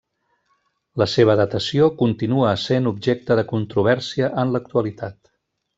La seva datació continua essent objecte de controvèrsia en l'actualitat.